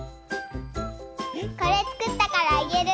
これつくったからあげる。